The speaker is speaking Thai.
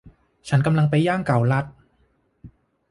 ฉันกำลังไปย่างเกาลัด